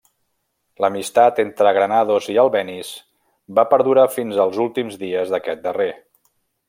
L'amistat entre Granados i Albéniz va perdurar fins als últims dies d'aquest darrer.